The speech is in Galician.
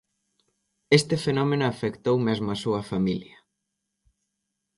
Este fenómeno afectou mesmo a súa familia.